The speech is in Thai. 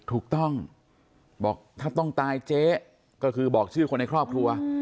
ถูกต้องบอกถ้าต้องตายเจ๊ก็คือบอกชื่อคนในครอบครัว